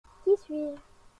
Qui suis-je ?